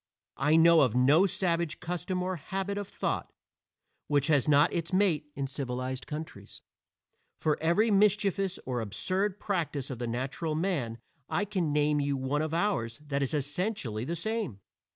I know of no savage custom or habit of thought which has not its mate in civilized countries. For every mischievous or absurd practice of the natural man I can name you one of ours that is essentially the same.